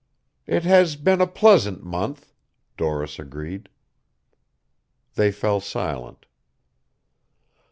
"It has been a pleasant month," Doris agreed. They fell silent.